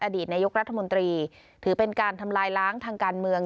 อดีตนายกรัฐมนตรีถือเป็นการทำลายล้างทางการเมือง